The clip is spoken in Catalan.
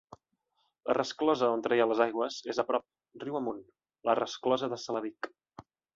La resclosa d'on treia les aigües és a prop, riu amunt: la resclosa de Saladic.